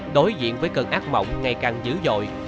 đối diện với cơn ác mộng ngày càng dữ dội